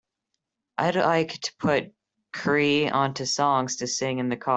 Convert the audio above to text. I'd like to put qriii onto songs to sing in the car.